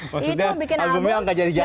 maksudnya albumnya gak jadi jadi